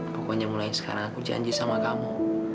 pokoknya mulai sekarang aku janji sama kamu